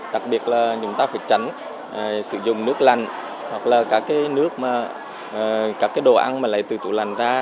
đặc biệt là chúng ta phải tránh sử dụng nước lành hoặc là cả cái nước mà cả cái đồ ăn mà lại từ tủ lành ra